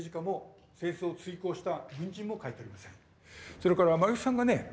それから丸木さんがね